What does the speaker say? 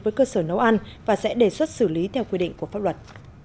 với cơ sở nấu ăn và sẽ đề xuất xử lý theo quy định của pháp luật